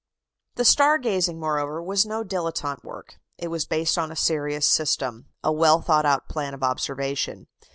The star gazing, moreover, was no dilettante work; it was based on a serious system a well thought out plan of observation.